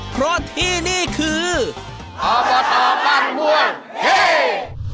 เพราะที่นี่คืออบทบังมวลเฮ้ย